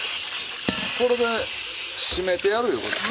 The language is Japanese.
これで締めてやるいう事です。